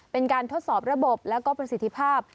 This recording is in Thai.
เป็นการทดสอบระบบแล้วก็ประสิทธิภาพ